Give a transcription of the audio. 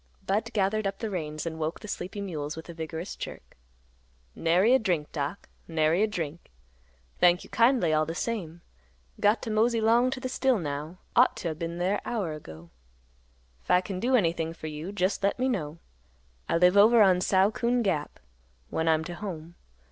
Budd gathered up the reins and woke the sleepy mules with a vigorous jerk. "Nary a drink, Doc; nary a drink. Thank you kindly all the same. Got t' mosey 'long t' th' still now; ought t' o' been there hour ago. 'f I can do anything fer you, jest le' me know. I live over on Sow Coon Gap, when I'm 't home.